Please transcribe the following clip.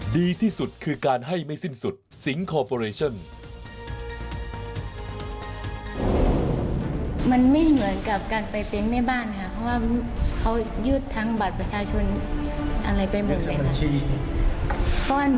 ดีที่สุดคือการให้ไม่สิ้นสุดสิงคอร์ปอเรชั่น